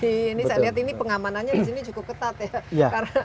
ini saya lihat ini pengamanannya disini cukup ketat ya